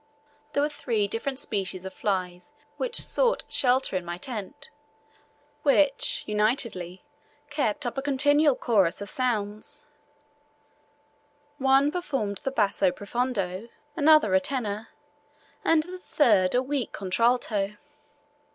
There were three different species of flies which sought shelter in my tent, which, unitedly, kept up a continual chorus of sounds one performed the basso profondo, another a tenor, and the third a weak contralto.